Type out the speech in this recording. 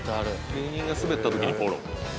「芸人がスベった時にフォロー」。